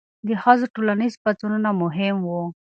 د ښځو ټولنیز پاڅونونه مهم وو.